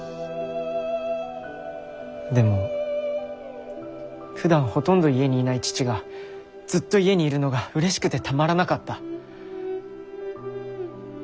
でもふだんほとんど家にいない父がずっと家にいるのがうれしくてたまらなかった。